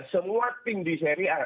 semua tim di seri a